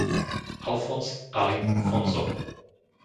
Alfonz, Ali, Fonzo